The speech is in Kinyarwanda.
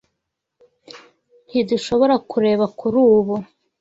Ntidushobora kureba kuri ubu.